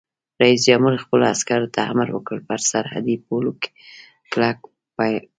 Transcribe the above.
رئیس جمهور خپلو عسکرو ته امر وکړ؛ پر سرحدي پولو کلک پیره وکړئ!